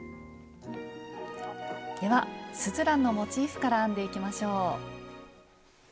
ではスズランのモチーフから編んでいきましょう。